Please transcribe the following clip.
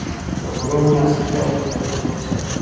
د خوړو مناسب توازن بدن روغ ساتي.